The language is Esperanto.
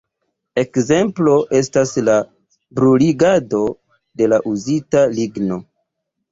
Ekzemplo estas la bruligado de uzita ligno.